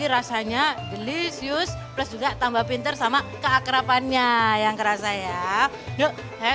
rasanya gelis plus juga tambah pinter sama keakrapannya yang kerasa ya yuk saya